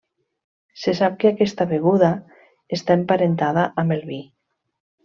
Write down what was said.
Se sap que aquesta beguda està emparentada amb el vi.